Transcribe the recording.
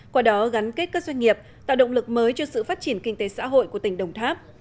qua đó gắn kết các doanh nghiệp tạo động lực mới cho sự phát triển kinh tế xã hội của tỉnh đồng tháp